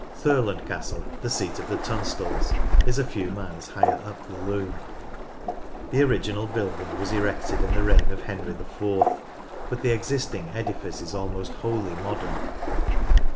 Thurland Castle, the seat of the Tunstalls, is a few miles higher up the Lune. The original building was Wraysholme : showing Peel tower erected in the reign of Henry IV, but the existing edifice is almost wholly modern.